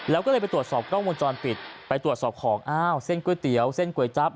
แล้วก็เลยไปตรวจสอบกล้องวงจรปิดไปตรวจสอบของอ้าวเส้นก๋วยเตี๋ยวเส้นก๋วยจับ